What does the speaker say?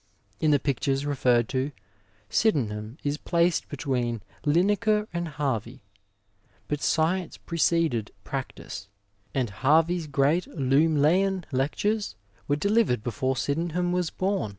In the pictures referred to, Sydenham is placed between Linacre and Harvey; but science preceded practice, and Harvey's great Lumleian lectures were delivered before Sydenham was bom.